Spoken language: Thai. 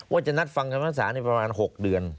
ว่าจะนัดฟังคำภาษาประมาณ๖เดือน